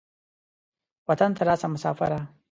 وطن ته راسه مسافره.